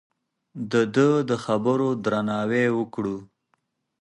د ده د خبرو درناوی وکړو.